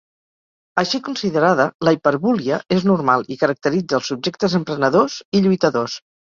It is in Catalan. Així considerada, la hiperbúlia és normal i caracteritza els subjectes emprenedors i lluitadors.